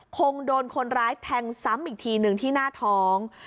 คงโดนคนร้ายแทงซ้ำอีกทีหนึ่งที่หน้าท้อง